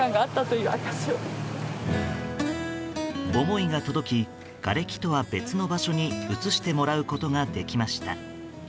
思いが届きがれきとは別の場所に移してもらうことができました。